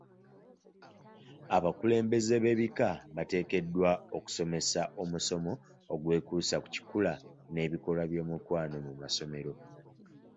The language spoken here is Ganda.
Abakulembeze b'ebika bateekeddwa okusomesa omusomo ogwekuusa ku kikula n'ebikolwa by'omukwano mu masomero.